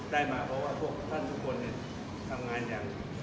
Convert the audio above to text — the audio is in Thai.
ได้มาเพราะว่าพวกท่านทุกคนทำงานอย่าง